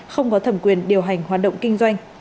không có thẩm quyền điều hành hoạt động kinh doanh